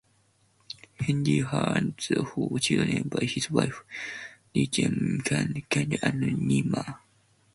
Hendry has four children by his wife: Rheagan, Kyle, Callum and Niamh.